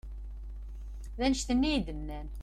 D annect-nni i yi-d-nnan.